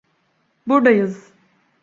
Burdayız.